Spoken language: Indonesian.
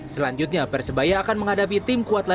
selanjutnya persebaya akan menghadapi tim kuat lagi